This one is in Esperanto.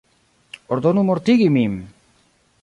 Ordonu mortigi min!